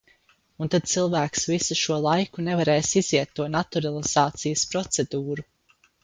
Un tad cilvēks visu šo laiku nevarēs iziet to naturalizācijas procedūru.